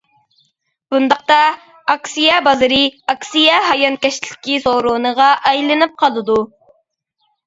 بۇنداقتا، ئاكسىيە بازىرى ئاكسىيە ھايانكەشلىكى سورۇنىغا ئايلىنىپ قالىدۇ.